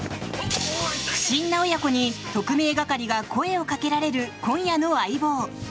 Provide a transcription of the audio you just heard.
不審な親子に特命係が声をかけられる今夜の「相棒」。